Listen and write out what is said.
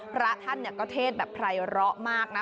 พระท่านก็เทศแบบไพร้อมากนะ